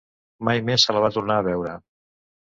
Mai més se la va tornar a veure.